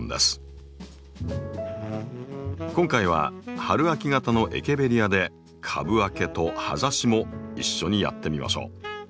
今回は春秋型のエケベリアで「株分け」と「葉ざし」も一緒にやってみましょう。